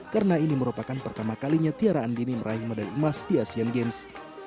karena ini merupakan pertama kalinya tiara andini meraih medali emas di asian games